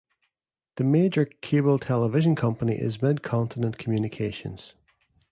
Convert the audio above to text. The major cable television company is Midcontinent Communications.